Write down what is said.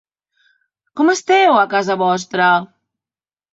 Com esteu, a casa vostra?